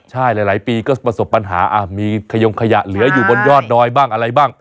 ใช่หลายปีก็ประสบปัญหามีขยงขยะเหลืออยู่บนยอดดอยบ้างอะไรบ้าง